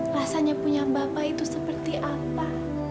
rasanya punya bapak itu seperti apa